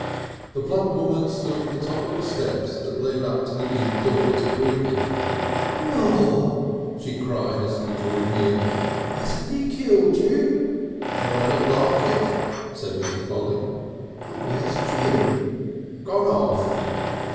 The plump woman stood at the top of the steps that led up to the inn door to greet him. "Law!" she cried as he drew near, "'asn't 'e killed you?" "Do I look like it?" said Mr. Polly. "But where's Jim?" "Gone off."